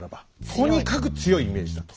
とにかく強いイメージだと戦にね。